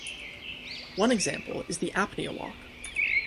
One example is the apnea walk.